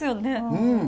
うん！